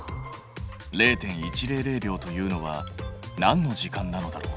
０．１００秒というのは何の時間なのだろう？